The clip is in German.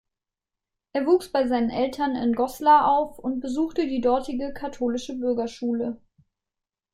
Er wuchs bei seinen Eltern in Goslar auf und besuchte die dortige katholische Bürgerschule.